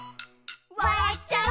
「わらっちゃう」